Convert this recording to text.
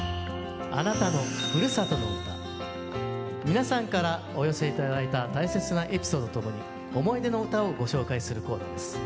皆さんからお寄せ頂いた大切なエピソードとともに思い出の唄をご紹介するコーナーです。